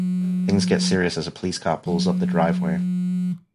Things get serious as a police car pulls up the driveway.